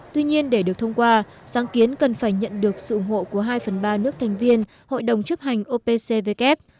tuy nhiên để được thông qua sáng kiến cần phải nhận được sự ủng hộ của hai phần ba nước thành viên hội đồng chấp hành opcvk